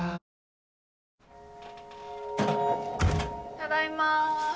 ただいま。